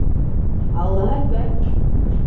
Аллаһы әкбәр!..